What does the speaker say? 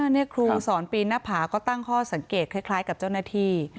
นี่ครูสอนปีนหน้าผาก็ตั้งข้อสังเกตคล้ายกับเจ้าหน้าที่